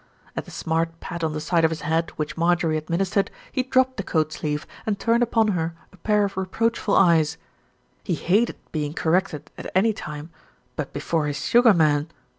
At the smart pat on the side of his head which Mar jorie administered, he dropped the coat sleeve and turned upon her a pair of reproachful eyes he hated being corrected at any time; but before his Sugar Man